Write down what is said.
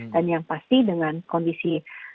dan yang pasti dengan kondisi